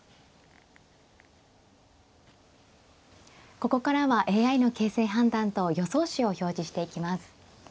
ここからはＡＩの形勢判断と予想手を表示していきます。